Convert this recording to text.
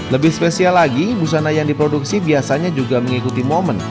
lebih spesial lagi busana yang diproduksi biasanya juga mengikuti momen